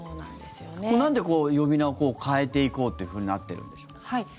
なんで呼び名を変えていこうというふうになっているんでしょうか？